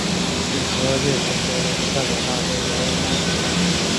第十二届全国人民代表大会辽宁地区代表。